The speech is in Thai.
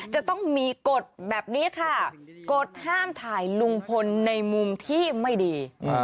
จะต้องมีกฎแบบนี้ค่ะกฎห้ามถ่ายลุงพลในมุมที่ไม่ดี